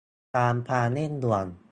ตามความเร่งด่วน